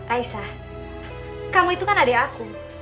aisah kamu itu kan adik aku